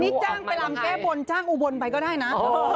นี่จ้างไปรำแก้บนจ้างอุบลไปก็ได้นะ